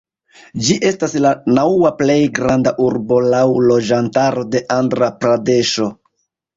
Ĝi estas la naŭa plej granda urbo laŭ loĝantaro de Andra-Pradeŝo.